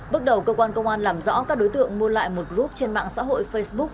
bước đầu công an tp bôn ma thuật làm rõ các đối tượng mua lại một group trên mạng xã hội facebook